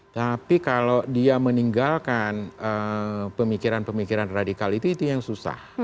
tapi kalau dia meninggalkan pemikiran pemikiran radikal itu itu yang susah